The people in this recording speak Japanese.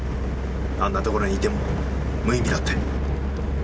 あんなところにいても無意味だって。